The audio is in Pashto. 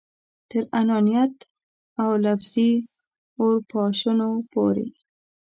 تر انانیت او لفظي اورپاشنو پورې.